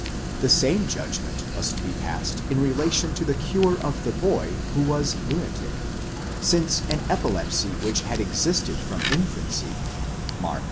The same judgment must be passed in relation to the cure of the boy who was. lunatic, since an epilepsy which had existed from infancy (Mark v.